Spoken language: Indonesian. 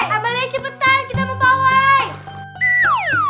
amalia cepetan kita mau pawain